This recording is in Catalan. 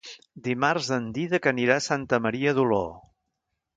Dimarts en Dídac anirà a Santa Maria d'Oló.